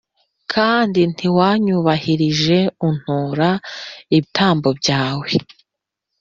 kandi ntiwanyubahirije untura ibitambo byawe.